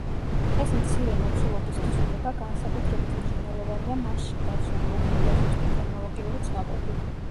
ეს მცირე მოცულობის თხზულება განსაკუთრებით მნიშვნელოვანია მასში დაცული უხვი და ზუსტი ქრონოლოგიური ცნობებით.